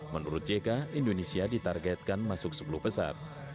menurut jk indonesia ditargetkan masuk sepuluh besar